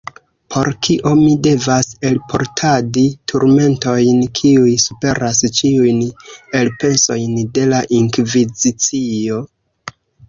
Por kio mi devas elportadi turmentojn, kiuj superas ĉiujn elpensojn de la inkvizicio?